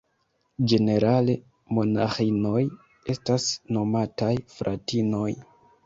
Ĝenerale monaĥinoj estas nomataj "fratinoj".